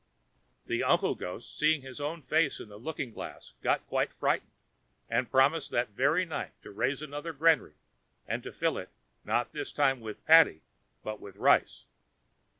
The uncle ghost, seeing his own face in the looking glass, got quite frightened, and promised that very night to raise another granary and to fill it, not this time with paddy, but with rice.